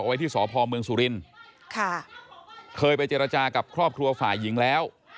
ไว้ที่สพเมืองสุรินทร์ค่ะเคยไปเจรจากับครอบครัวฝ่ายหญิงแล้ว